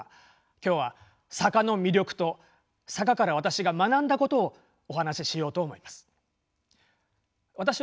今日は坂の魅力と坂から私が学んだことをお話ししようと思います。